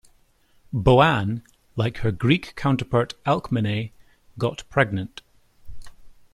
Boann, like her Greek counterpart Alcmene, got pregnant.